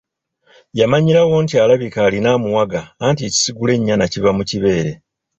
Yamanyirawo nti alabika alina amuwaga, anti ekisigula ennyana kiva mu kibeere.